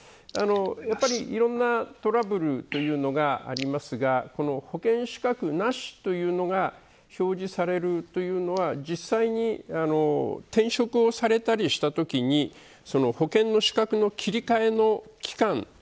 やっぱりいろんなトラブルというのがありますが保険資格なしというのが表示されるというのは実際に転職をされたりしたときに保険の資格の切り替えの期間